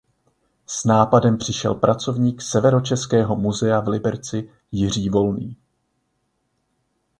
S nápadem přišel pracovník Severočeského muzea v Liberci Jiří Volný.